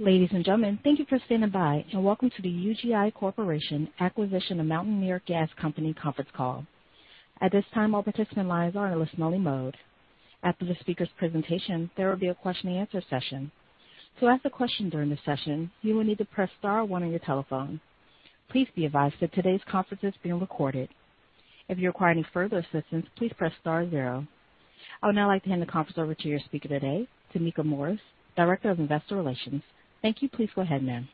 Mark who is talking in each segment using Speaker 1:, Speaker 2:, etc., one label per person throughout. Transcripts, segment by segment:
Speaker 1: Ladies and gentlemen, thank you for standing by and welcome to the UGI Corporation Acquisition of Mountaineer Gas Company conference call. At this time, all participant lines are in a listen-only mode. After the speaker's presentation, there will be a question and answer session. To ask a question during the session, you will need to press star one on your telephone. Please be advised that today's conference is being recorded. If you require any further assistance, please press star zero. I would now like to hand the conference over to your speaker today, Tameka Morris, Director of Investor Relations. Thank you. Please go ahead, ma'am.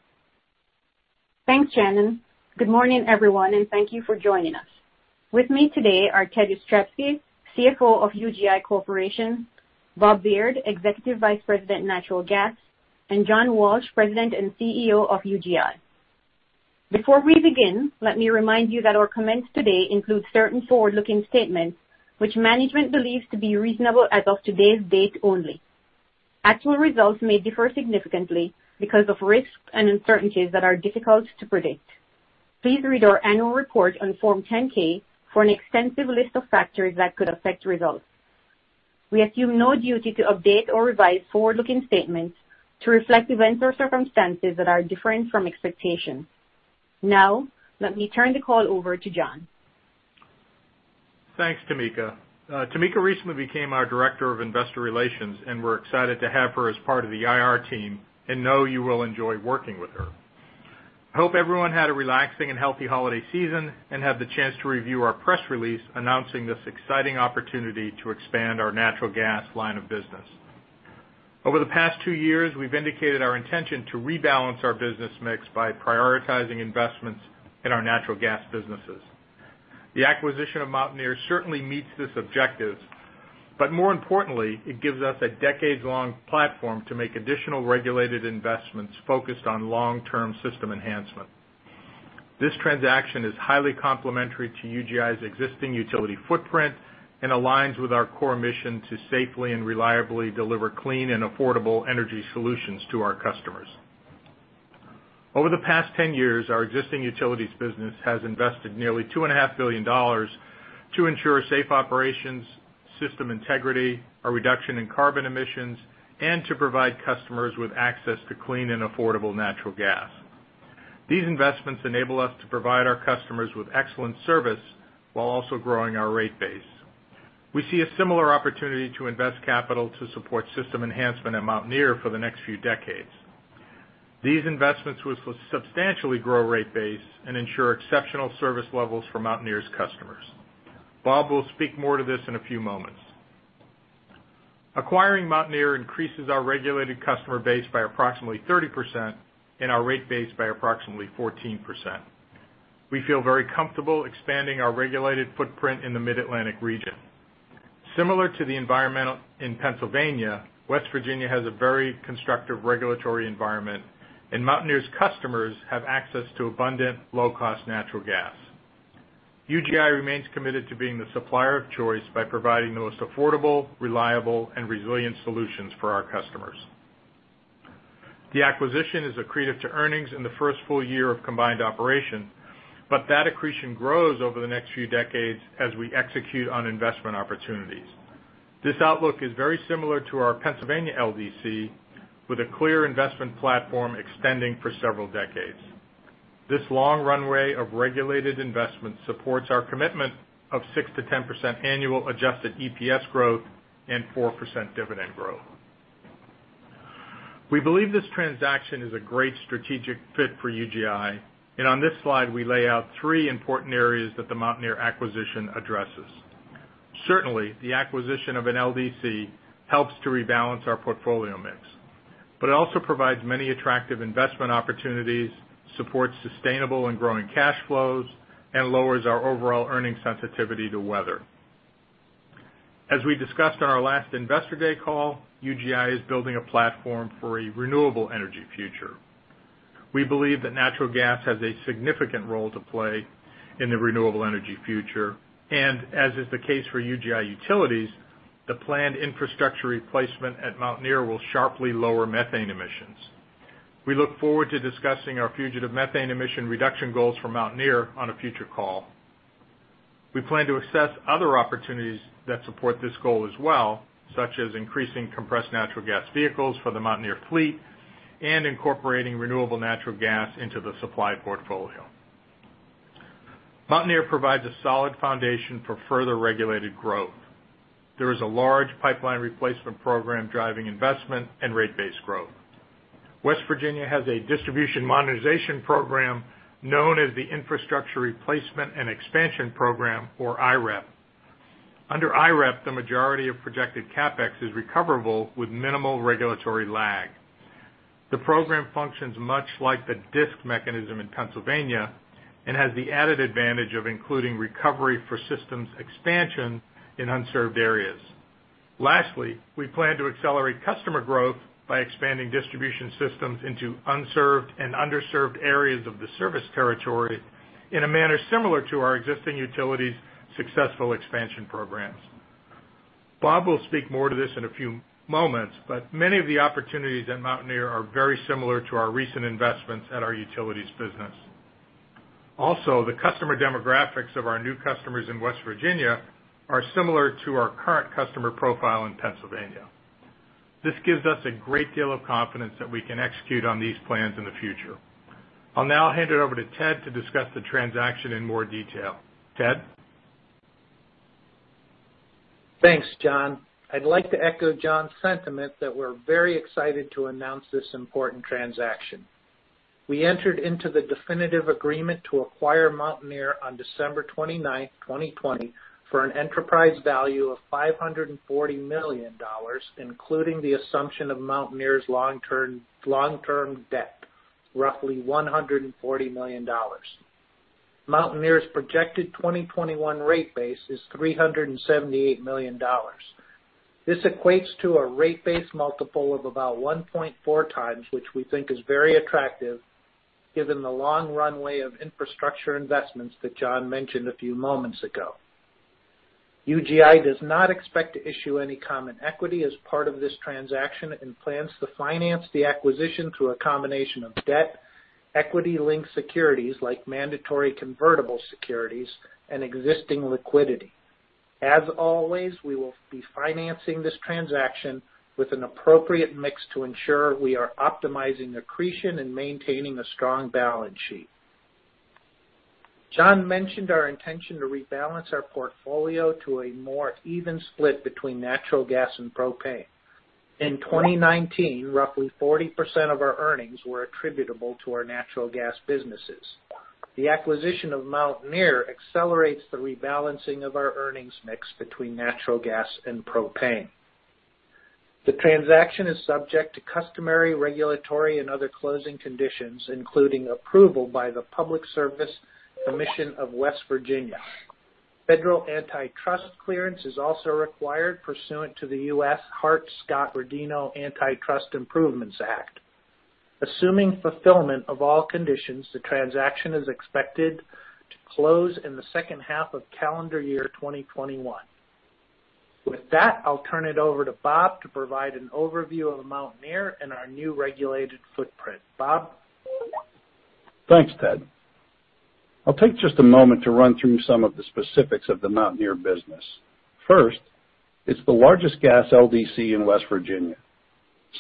Speaker 2: Thanks, Shannon. Good morning, everyone, and thank you for joining us. With me today are Teddy Jastrzebski, CFO of UGI Corporation, Bob Beard, Executive Vice President, Natural Gas, and John Walsh, President and CEO of UGI. Before we begin, let me remind you that our comments today include certain forward-looking statements which management believes to be reasonable as of today's date only. Actual results may differ significantly because of risks and uncertainties that are difficult to predict. Please read our annual report on Form 10-K for an extensive list of factors that could affect results. We assume no duty to update or revise forward-looking statements to reflect events or circumstances that are different from expectations. Now, let me turn the call over to John.
Speaker 3: Thanks, Tameka. Tameka recently became our Director of Investor Relations, and we're excited to have her as part of the IR team and know you will enjoy working with her. I hope everyone had a relaxing and healthy holiday season and had the chance to review our press release announcing this exciting opportunity to expand our natural gas line of business. Over the past two years, we've indicated our intention to rebalance our business mix by prioritizing investments in our natural gas businesses. The acquisition of Mountaineer certainly meets this objective, but more importantly, it gives us a decades-long platform to make additional regulated investments focused on long-term system enhancement. This transaction is highly complementary to UGI's existing utility footprint and aligns with our core mission to safely and reliably deliver clean and affordable energy solutions to our customers. Over the past 10 years, our existing utilities business has invested nearly $2.5 billion to ensure safe operations, system integrity, a reduction in carbon emissions, and to provide customers with access to clean and affordable natural gas. These investments enable us to provide our customers with excellent service while also growing our rate base. We see a similar opportunity to invest capital to support system enhancement at Mountaineer for the next few decades. These investments will substantially grow rate base and ensure exceptional service levels for Mountaineer's customers. Bob will speak more to this in a few moments. Acquiring Mountaineer increases our regulated customer base by approximately 30% and our rate base by approximately 14%. We feel very comfortable expanding our regulated footprint in the Mid-Atlantic region. Similar to the environment in Pennsylvania, West Virginia has a very constructive regulatory environment, and Mountaineer's customers have access to abundant, low-cost natural gas. UGI remains committed to being the supplier of choice by providing the most affordable, reliable, and resilient solutions for our customers. That accretion grows over the next few decades as we execute on investment opportunities. This outlook is very similar to our Pennsylvania LDC, with a clear investment platform extending for several decades. This long runway of regulated investment supports our commitment of 6%-10% annual adjusted EPS growth and 4% dividend growth. We believe this transaction is a great strategic fit for UGI, and on this slide, we lay out three important areas that the Mountaineer acquisition addresses. Certainly, the acquisition of an LDC helps to rebalance our portfolio mix, but it also provides many attractive investment opportunities, supports sustainable and growing cash flows, and lowers our overall earning sensitivity to weather. As we discussed on our last Investor Day call, UGI is building a platform for a renewable energy future. We believe that natural gas has a significant role to play in the renewable energy future, and as is the case for UGI utilities, the planned infrastructure replacement at Mountaineer will sharply lower methane emissions. We look forward to discussing our fugitive methane emission reduction goals for Mountaineer on a future call. We plan to assess other opportunities that support this goal as well, such as increasing compressed natural gas vehicles for the Mountaineer fleet and incorporating renewable natural gas into the supply portfolio. Mountaineer provides a solid foundation for further regulated growth. There is a large pipeline replacement program driving investment and rate base growth. West Virginia has a distribution modernization program known as the Infrastructure Replacement and Expansion Program, or IREP. Under IREP, the majority of projected CapEx is recoverable with minimal regulatory lag. The program functions much like the DSIC mechanism in Pennsylvania and has the added advantage of including recovery for systems expansion in unserved areas. Lastly, we plan to accelerate customer growth by expanding distribution systems into unserved and underserved areas of the service territory in a manner similar to our existing utilities successful expansion programs. Bob will speak more to this in a few moments, but many of the opportunities at Mountaineer are very similar to our recent investments at our utilities business. Also, the customer demographics of our new customers in West Virginia are similar to our current customer profile in Pennsylvania. This gives us a great deal of confidence that we can execute on these plans in the future. I'll now hand it over to Ted to discuss the transaction in more detail. Ted?
Speaker 4: Thanks, John. I'd like to echo John's sentiment that we're very excited to announce this important transaction. We entered into the definitive agreement to acquire Mountaineer on December 29th, 2020, for an enterprise value of $540 million, including the assumption of Mountaineer's long-term debt, roughly $140 million. Mountaineer's projected 2021 rate base is $378 million. This equates to a rate base multiple of about 1.4x, which we think is very attractive given the long runway of infrastructure investments that John mentioned a few moments ago. UGI does not expect to issue any common equity as part of this transaction and plans to finance the acquisition through a combination of debt, equity-linked securities like mandatory convertible securities, and existing liquidity. As always, we will be financing this transaction with an appropriate mix to ensure we are optimizing accretion and maintaining a strong balance sheet. John mentioned our intention to rebalance our portfolio to a more even split between natural gas and propane. In 2019, roughly 40% of our earnings were attributable to our natural gas businesses. The acquisition of Mountaineer accelerates the rebalancing of our earnings mix between natural gas and propane. The transaction is subject to customary, regulatory, and other closing conditions, including approval by the Public Service Commission of West Virginia. Federal antitrust clearance is also required pursuant to the U.S. Hart-Scott-Rodino Antitrust Improvements Act. Assuming fulfillment of all conditions, the transaction is expected to close in the second half of calendar year 2021. With that, I'll turn it over to Bob to provide an overview of Mountaineer and our new regulated footprint. Bob?
Speaker 5: Thanks, Ted. I'll take just a moment to run through some of the specifics of the Mountaineer. First, it's the largest gas LDC in West Virginia,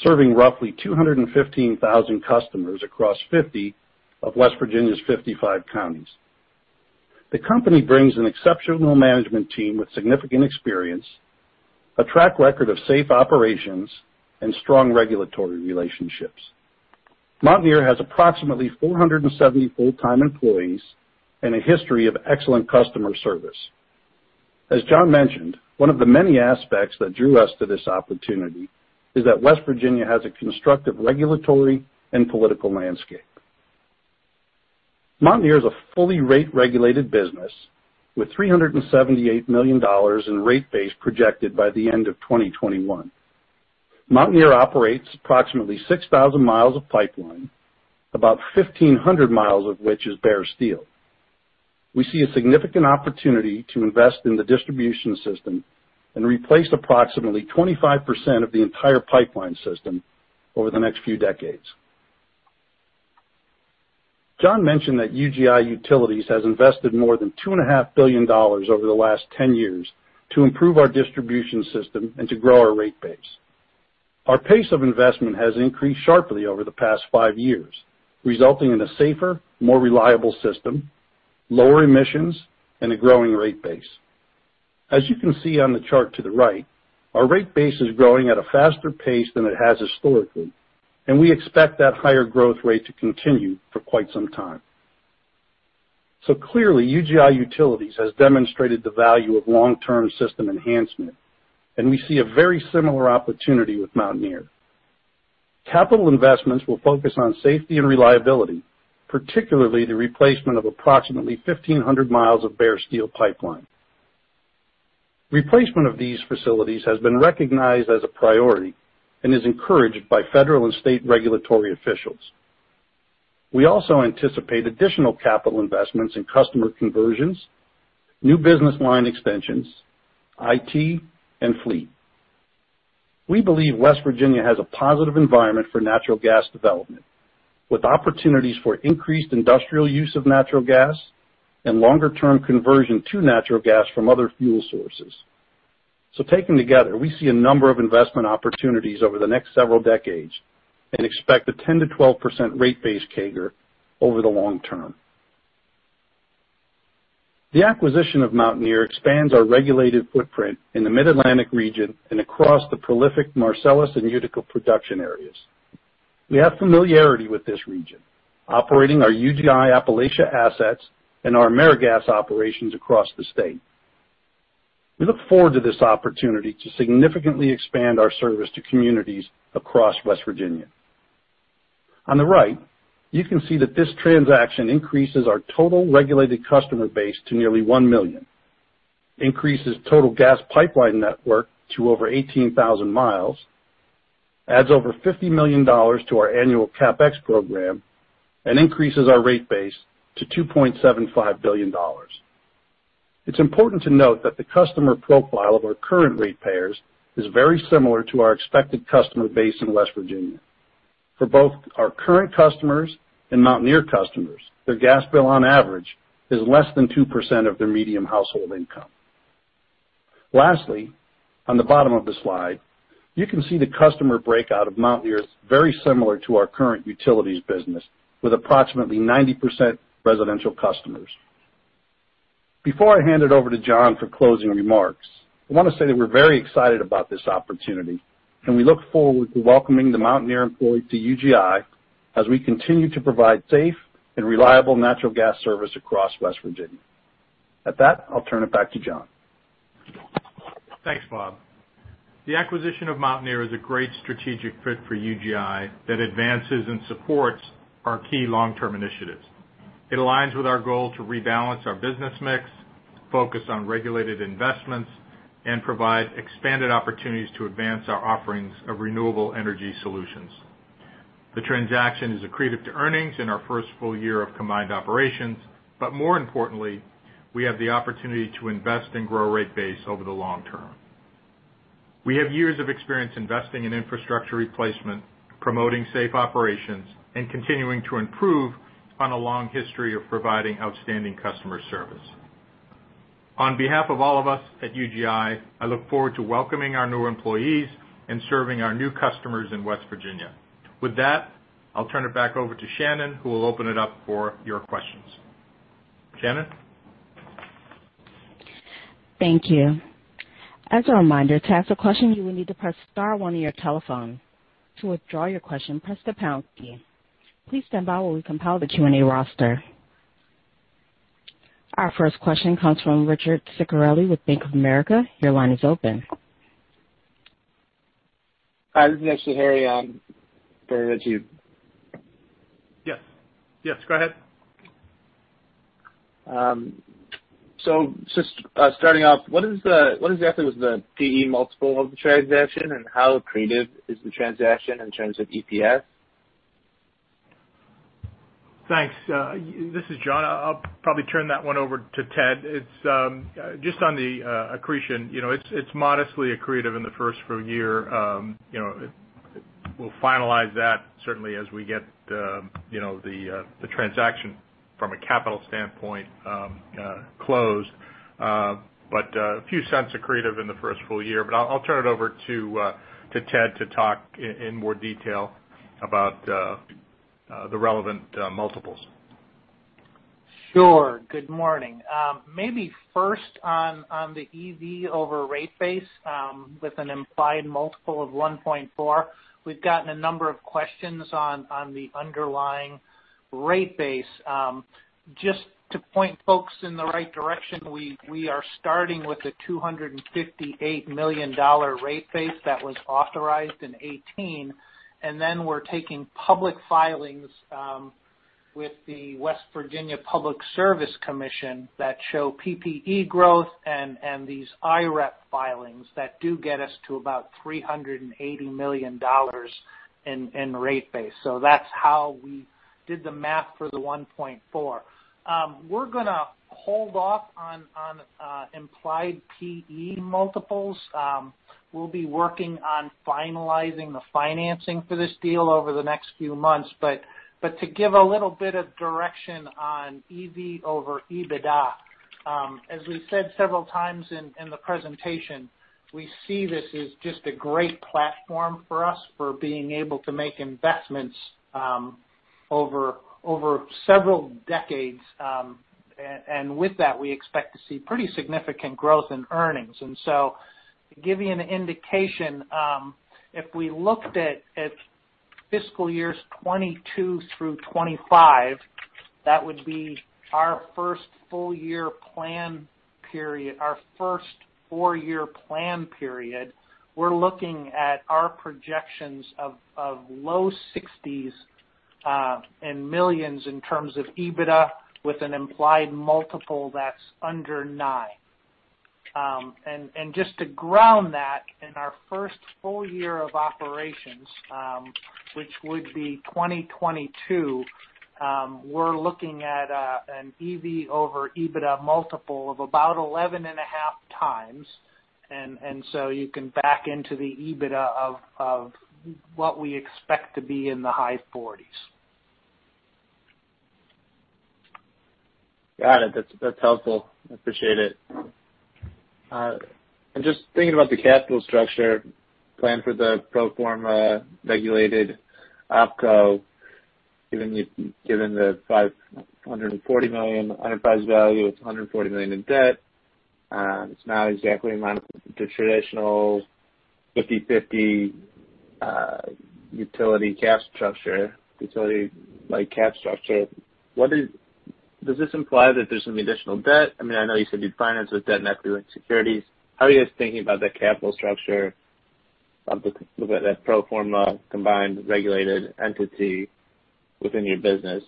Speaker 5: serving roughly 215,000 customers across 50 of West Virginia's 55 counties. The company brings an exceptional management team with significant experience, a track record of safe operations, and strong regulatory relationships. Mountaineer has approximately 470 full-time employees and a history of excellent customer service. As John mentioned, one of the many aspects that drew us to this opportunity is that West Virginia has a constructive regulatory and political landscape. Mountaineer is a fully rate-regulated business with $378 million in rate base projected by the end of 2021. Mountaineer operates approximately 6,000 mi of pipeline, about 1,500 mi of which is bare steel. We see a significant opportunity to invest in the distribution system and replace approximately 25% of the entire pipeline system over the next few decades. John mentioned that UGI Utilities has invested more than $2.5 billion Over the last 10 years to improve our distribution system and to grow our rate base. Our pace of investment has increased sharply over the past five years, resulting in a safer, more reliable system, lower emissions, and a growing rate base. Clearly, UGI Utilities has demonstrated the value of long-term system enhancement, and we see a very similar opportunity with Mountaineer. Capital investments will focus on safety and reliability, particularly the replacement of approximately 1,500 mi of bare steel pipeline. Replacement of these facilities has been recognized as a priority and is encouraged by federal and state regulatory officials. We also anticipate additional capital investments in customer conversions, new business line extensions, IT, and fleet. We believe West Virginia has a positive environment for natural gas development, with opportunities for increased industrial use of natural gas and longer-term conversion to natural gas from other fuel sources. Taken together, we see a number of investment opportunities over the next several decades and expect a 10%-12% rate base CAGR over the long-term. The acquisition of Mountaineer expands our regulated footprint in the Mid-Atlantic region and across the prolific Marcellus and Utica production areas. We have familiarity with this region, operating our UGI Appalachia assets and our AmeriGas operations across the state. We look forward to this opportunity to significantly expand our service to communities across West Virginia. On the right, you can see that this transaction increases our total regulated customer base to nearly 1 million, increases total gas pipeline network to over 18,000 mi, adds over $50 million to our annual CapEx program, and increases our rate base to $2.75 billion. It's important to note that the customer profile of our current ratepayers is very similar to our expected customer base in West Virginia. For both our current customers and Mountaineer customers, their gas bill on average is less than 2% of their median household income. Lastly, on the bottom of the slide, you can see the customer breakout of Mountaineer is very similar to our current utilities business, with approximately 90% residential customers. Before I hand it over to John for closing remarks, I want to say that we're very excited about this opportunity, and we look forward to welcoming the Mountaineer employees to UGI as we continue to provide safe and reliable natural gas service across West Virginia. At that, I'll turn it back to John.
Speaker 3: Thanks, Bob. The acquisition of Mountaineer is a great strategic fit for UGI that advances and supports our key long-term initiatives. It aligns with our goal to rebalance our business mix, focus on regulated investments, and provide expanded opportunities to advance our offerings of renewable energy solutions. The transaction is accretive to earnings in our first full year of combined operations, but more importantly, we have the opportunity to invest and grow rate base over the long-term. We have years of experience investing in infrastructure replacement, promoting safe operations, and continuing to improve on a long history of providing outstanding customer service. On behalf of all of us at UGI, I look forward to welcoming our new employees and serving our new customers in West Virginia. With that, I'll turn it back over to Shannon, who will open it up for your questions. Shannon?
Speaker 1: Thank you. As a reminder, to ask a question, you will need to press star one on your telephone. To withdraw your question, press the pound key. Please stand by while we compile the Q&A roster. Our first question comes from Richard Sunderland with Bank of America. Your line is open.
Speaker 6: Hi, this is actually Harry on for Richard.
Speaker 3: Yes. Go ahead.
Speaker 6: Just starting off, what is the PE multiple of the transaction, and how accretive is the transaction in terms of EPS?
Speaker 3: Thanks. This is John. I'll probably turn that one over to Ted. Just on the accretion, it's modestly accretive in the first full year. We'll finalize that certainly as we get the transaction from a capital standpoint closed. A few cents accretive in the first full year. I'll turn it over to Ted to talk in more detail about the relevant multiples.
Speaker 4: Sure. Good morning. Maybe first on the EV over rate base with an implied multiple of 1.4, we've gotten a number of questions on the underlying rate base. Just to point folks in the right direction, we are starting with a $258 million rate base that was authorized in 2018, and then we're taking public filings with the West Virginia Public Service Commission that show PP&E growth and these IREP filings that do get us to about $380 million in rate base. That's how we did the math for the 1.4. We're going to hold off on implied PE multiples. We'll be working on finalizing the financing for this deal over the next few months. To give a little bit of direction on EV over EBITDA.. As we've said several times in the presentation, we see this as just a great platform for us for being able to make investments over several decades. With that, we expect to see pretty significant growth in earnings. To give you an indication, if we looked at fiscal years 2022 through 2025, that would be our first four-year plan period. We're looking at our projections of low $60 million in terms of EBITDA with an implied multiple that's under nine. Just to ground that, in our first full year of operations, which would be 2022, we're looking at an EV over EBITDA multiple of about 11.5x. You can back into the EBITDA of what we expect to be in the high $40 million.
Speaker 6: Got it. That's helpful. I appreciate it. Just thinking about the capital structure plan for the pro forma regulated opco, given the $540 million enterprise value with $140 million in debt, it's not exactly in line with the traditional 50/50 utility cap structure. Does this imply that there's some additional debt? I know you said you'd finance with debt and equity-linked securities. How are you guys thinking about the capital structure of that pro forma combined regulated entity within your business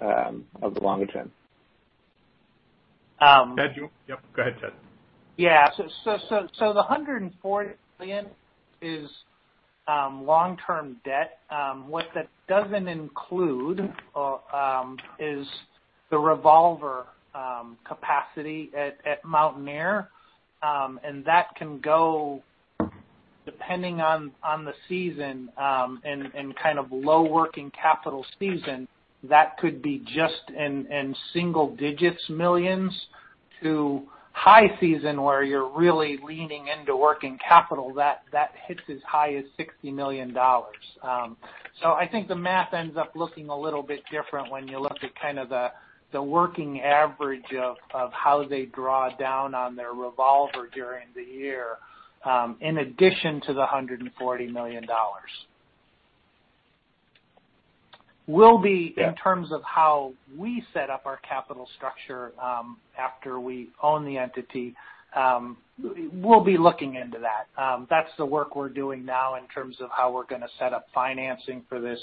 Speaker 6: of the longer-term?
Speaker 3: Ted, Yep, go ahead, Ted.
Speaker 4: Yeah. The $140 million is long-term debt. What that doesn't include is the revolver capacity at Mountaineer, and that can go depending on the season, and low working capital season, that could be just in single-digits millions to high season where you're really leaning into working capital, that hits as high as $60 million. I think the math ends up looking a little bit different when you look at the working average of how they draw down on their revolver during the year, in addition to the $140 million. We'll be in terms of how we set up our capital structure, after we own the entity. We'll be looking into that. That's the work we're doing now in terms of how we're going to set up financing for this.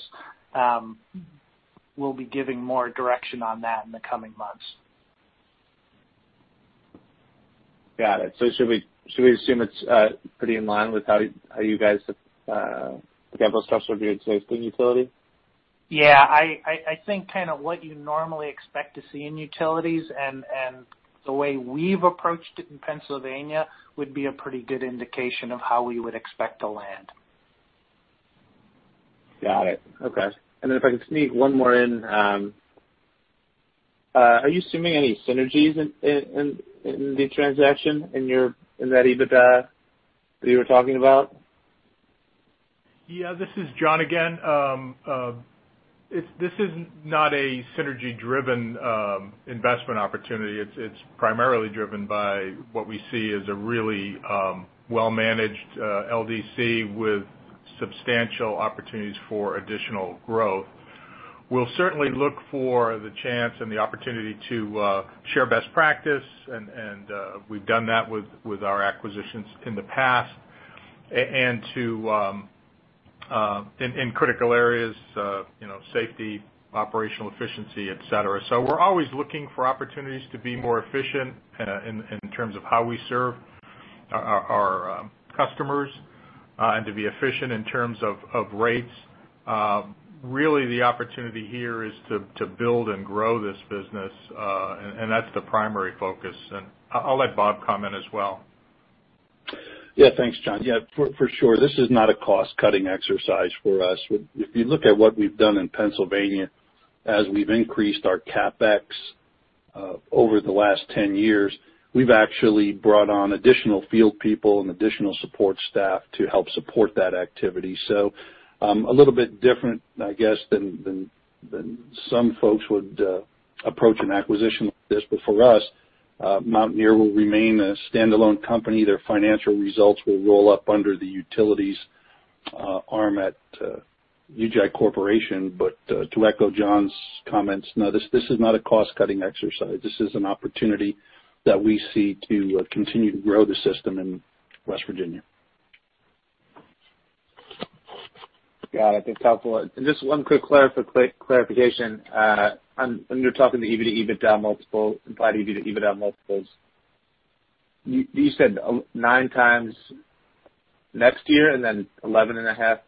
Speaker 4: We'll be giving more direction on that in the coming months.
Speaker 6: Got it. Should we assume it's pretty in line with how you guys, the capital structure of your existing utility?
Speaker 4: Yeah, I think what you normally expect to see in utilities and the way we've approached it in Pennsylvania would be a pretty good indication of how we would expect to land.
Speaker 6: Got it. Okay. If I can sneak one more in, are you assuming any synergies in the transaction, in that EBITDA that you were talking about?
Speaker 3: Yeah, this is John again. This is not a synergy-driven investment opportunity. It's primarily driven by what we see as a really well-managed LDC with substantial opportunities for additional growth. We'll certainly look for the chance and the opportunity to share best practice and we've done that with our acquisitions in the past, and in critical areas, safety, operational efficiency, et cetera. We're always looking for opportunities to be more efficient in terms of how we serve our customers, and to be efficient in terms of rates. Really the opportunity here is to build and grow this business, and that's the primary focus, and I'll let Bob comment as well.
Speaker 5: Yeah, thanks, John. Yeah, for sure. This is not a cost-cutting exercise for us. If you look at what we've done in Pennsylvania, as we've increased our CapEx over the last 10 years, we've actually brought on additional field people and additional support staff to help support that activity. A little bit different, I guess, than some folks would approach an acquisition like this, but for us, Mountaineer will remain a standalone company. Their financial results will roll up under the utilities arm at UGI Corporation. To echo John's comments, no, this is not a cost-cutting exercise. This is an opportunity that we see to continue to grow the system in West Virginia.
Speaker 6: Got it. That's helpful. Just one quick clarification. When you're talking the EBITDA multiple, implied EBITDA multiples, you said nine times next year and then 11.5x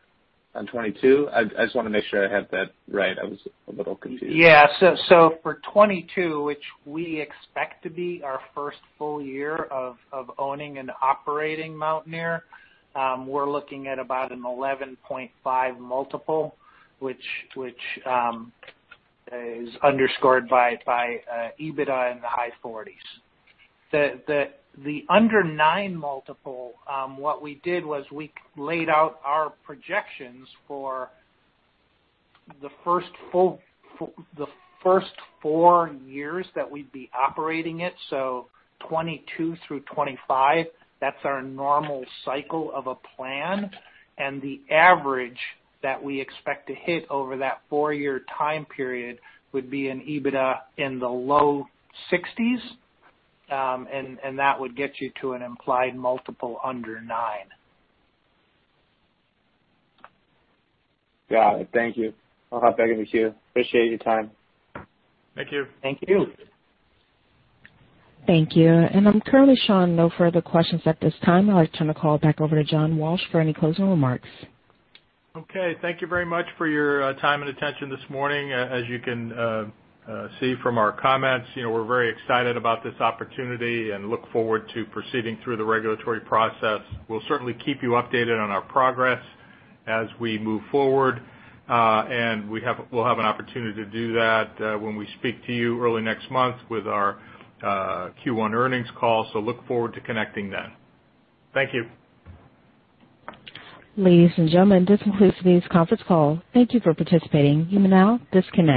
Speaker 6: On 2022? I just want to make sure I have that right. I was a little confused.
Speaker 4: Yeah. For 2022, which we expect to be our first full year of owning and operating Mountaineer, we're looking at about an 11.5x multiple, which is underscored by EBITDA in the high 40s. The under 9x multiple, what we did was we laid out our projections for the first four years that we'd be operating it. 2022-2025, that's our normal cycle of a plan, the average that we expect to hit over that four-year time period would be an EBITDA in the low 60s. That would get you to an implied multiple under 9x.
Speaker 6: Got it. Thank you. I'll hop back in the queue. Appreciate your time.
Speaker 3: Thank you.
Speaker 4: Thank you.
Speaker 1: Thank you. I'm currently showing no further questions at this time. I'll turn the call back over to John Walsh for any closing remarks.
Speaker 3: Okay. Thank you very much for your time and attention this morning. As you can see from our comments, we're very excited about this opportunity and look forward to proceeding through the regulatory process. We'll certainly keep you updated on our progress as we move forward. We'll have an opportunity to do that when we speak to you early next month with our Q1 earnings call. Look forward to connecting then. Thank you.
Speaker 1: Ladies and gentlemen, this concludes today's conference call. Thank you for participating. You may now disconnect.